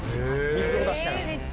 水を出しながら。